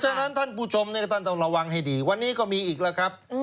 เพราะฉะนั้นท่านผู้ชมก็ต้องระวังให้ดีวันนี้ก็มีอีกละครับ